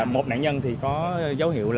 một nạn nhân có dấu hiệu